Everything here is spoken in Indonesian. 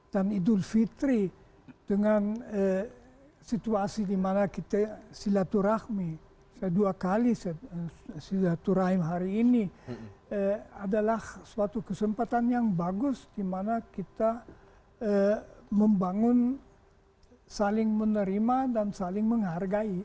dan idul fitri dengan situasi dimana kita silaturahmi saya dua kali silaturahmi hari ini adalah suatu kesempatan yang bagus dimana kita membangun saling menerima dan saling menghargai